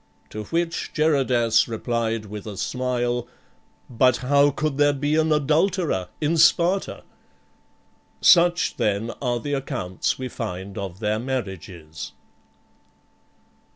To which Geradas replied, with a smile: " But how could there be an adulterer in Sparta ?"' Such, then, are the accounts we find of their marriages.